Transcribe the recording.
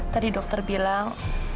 tadi dokter bilang